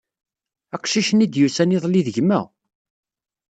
Aqcic-nni d-yusan iḍelli d gma.